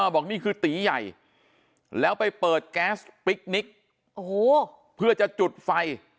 บอกนี่คือตีใหญ่แล้วไปเปิดแก๊สปิ๊กนิกเพื่อจะจุดไฟ